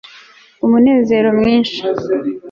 umunezero mwinshi